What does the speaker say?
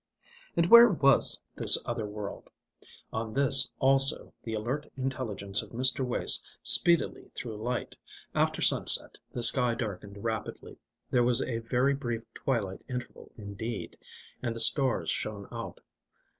And where was this other world? On this, also, the alert intelligence of Mr. Wace speedily threw light. After sunset, the sky darkened rapidly there was a very brief twilight interval indeed and the stars shone out.